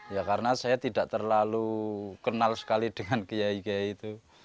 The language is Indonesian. ya karena saya tidak terlalu kenal sekali dengan kiai kiai itu